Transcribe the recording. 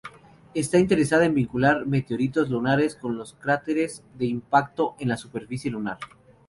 Está interesada en vincular meteoritos lunares con cráteres de impacto en la superficie lunar.